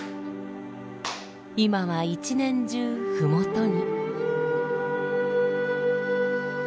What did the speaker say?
今は一年中麓に。